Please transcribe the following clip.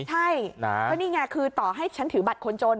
ใช่ก็นี่ไงคือต่อให้ฉันถือบัตรคนจน